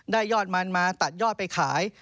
ยอดมันมาตัดยอดไปขาย